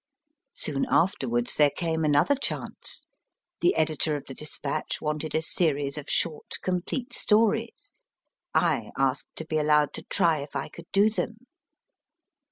Soon afterwards there came another chance. The editor of the Dispatch wanted a series of short complete stories. I asked to be allowed to try if I could do them.